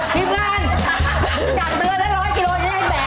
หิบงานจัดเบลือได้๑๐๐กิโลอย่างนี้ไม่แบบกัน